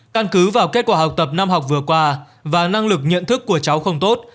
căn cứ vào kết quả học tập năm học vừa qua và năng lực nhận thức của cháu không tốt